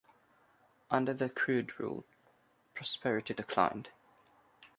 Under their crude rule, prosperity declined.